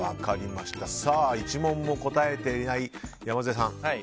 １問も答えていない山添さん、Ｂ。